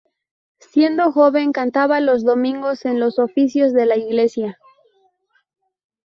Siendo joven cantaba los domingos en los oficios de la iglesia.